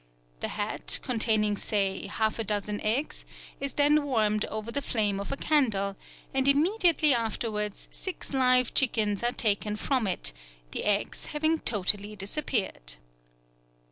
The hat, containing say half a dozen eggs, is then warmed over the flame of a candle, and immediately afterwards six live chickens are taken from it, the eggs having totally disappeared.